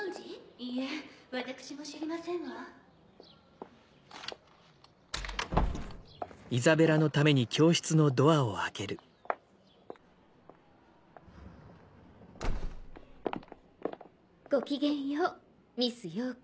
・・いいえわたくしも知りませんわ・ごきげんようミス・ヨーク。